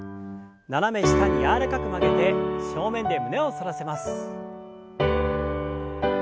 斜め下に柔らかく曲げて正面で胸を反らせます。